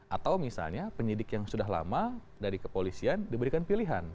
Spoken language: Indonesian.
atau misalnya penyidik yang sudah lama dari kepolisian diberikan pilihan